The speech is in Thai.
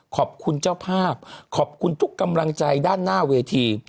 ขอบคุณเจ้าภาพขอบคุณทุกกำลังใจด้านหน้าเวที